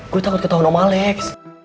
gua takut ketauan om alex